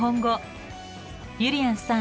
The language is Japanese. ゆりやんさん